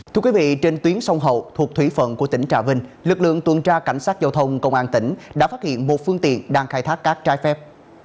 thưa quý vị trên tuyến sông hậu thuộc thủy phận của tỉnh trà vinh lực lượng tuần tra cảnh sát giao thông công an tỉnh đã phát hiện một phương tiện đang khai thác cát trái phép